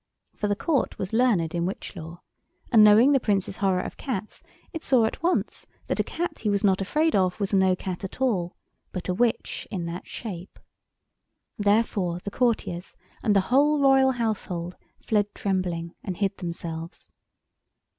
For the Court was learned in witch law, and knowing the Prince's horror of cats it saw at once that a cat he was not afraid of was no cat at all, but a witch in that shape. Therefore the courtiers and the whole Royal household fled trembling and hid themselves.